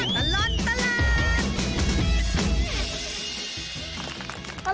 ชั่วตลอดตลาด